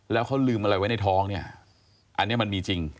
แล้วเขาลืมอะไรไว้ในท้องเนี่ยอันนี้มันมีจริง